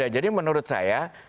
jadi menurut saya